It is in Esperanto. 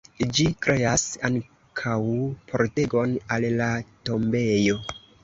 Ĝi kreas ankaŭ pordegon al la tombejo.